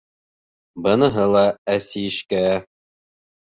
Быныһы ла әсишкә.